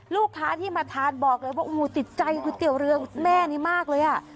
ลูกค้าที่มาทานบอกเลยว่าโอ้โหติดใจก๋วยเตี๋ยวเรืองแม่นี้มากเลยอ่ะ